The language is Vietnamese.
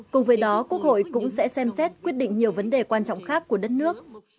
cùng với đó quốc hội cũng sẽ xem xét quyết định nhiều vấn đề quan trọng khác của đất nước